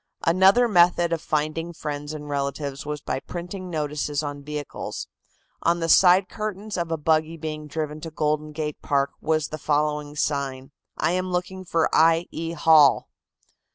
Another method of finding friends and relatives was by printing notices on vehicles. On the side curtains of a buggy being driven to Golden Gate Park was the following sign: "I am looking for I. E. Hall."